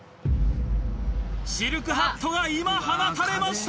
シルクハットが今放たれました！